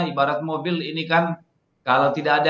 ibarat mobil ini kan kalau tidak ada